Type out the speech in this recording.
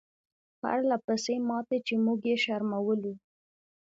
پرله پسې ماتې چې موږ یې شرمولو.